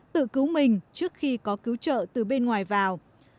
tự cứu mình trước khi có cứu trợ từ bên ngoài vào